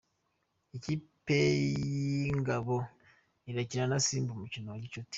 Ikipe yingabo irakina na Simba umukino wa gicuti